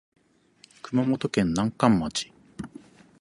熊本県南関町